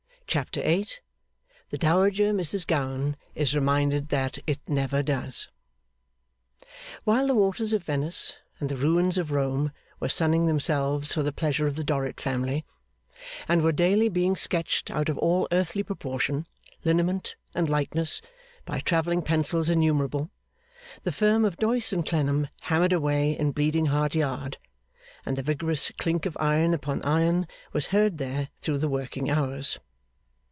CHAPTER 8. The Dowager Mrs Gowan is reminded that 'It Never Does' While the waters of Venice and the ruins of Rome were sunning themselves for the pleasure of the Dorrit family, and were daily being sketched out of all earthly proportion, lineament, and likeness, by travelling pencils innumerable, the firm of Doyce and Clennam hammered away in Bleeding Heart Yard, and the vigorous clink of iron upon iron was heard there through the working hours.